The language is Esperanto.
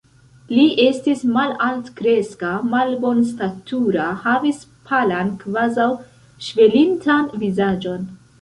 Li estis malaltkreska, malbonstatura, havis palan, kvazaŭ ŝvelintan, vizaĝon.